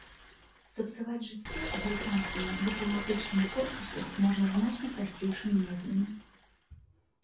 Сапсаваць жыццё амерыканскаму дыпламатычнаму корпусу можна значна прасцейшымі метадамі.